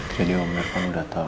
jadi om irfan sudah tahu